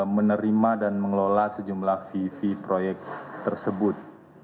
menerima dan mengelola sejumlah fee fee proyek tersebut